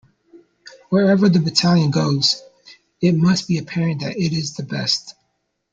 Wherever the battalion goes, it must be apparent that it is the best.